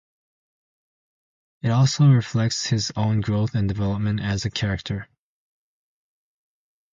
It also reflects his own growth and development as a character.